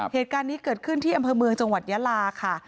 เหตุการณ์นี้เกิดขึ้นที่อำเภอเมืองจังหวัดยาลาค่ะ